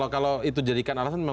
kalau itu jadikan alasan